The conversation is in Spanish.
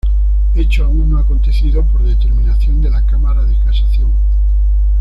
Hecho aún no acontecido por determinación de la Cámara de Casación.